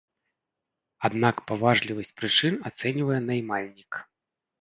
Аднак паважлівасць прычын ацэньвае наймальнік.